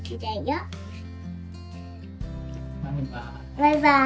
バイバーイ。